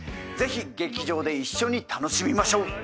ぜひ劇場で一緒に楽しみましょう。